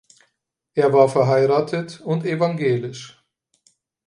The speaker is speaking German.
Er war verheiratet und evangelisch.